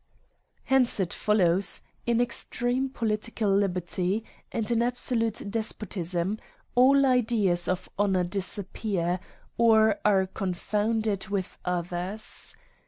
Hence it follows, that, in extreme political li berty, and in absolute despotism, all ideas of ho nour disappear, or are confounded with others.